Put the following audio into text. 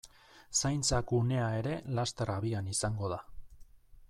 Zaintza gunea ere laster abian izango da.